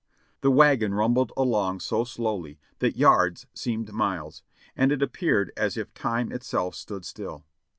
The wagon rumbled along so slowly that yards seemed miles, and it appeared as if time itself stood still.